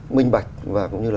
minh bạch và cũng như là